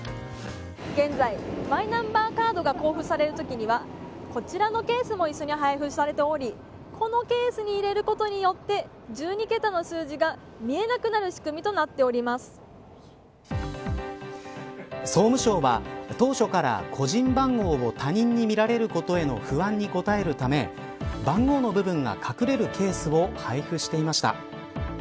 現在、マイナンバーカードを交付されるときにはこちらのケースも一緒に配布されておりこのケースに入れることによって１２桁の数字が見えなくなる総務省は、当初から個人番号を他人に見られることへの不安に応えるため番号の部分が隠れるケースを配布していました。